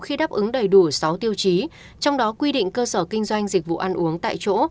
khi đáp ứng đầy đủ sáu tiêu chí trong đó quy định cơ sở kinh doanh dịch vụ ăn uống tại chỗ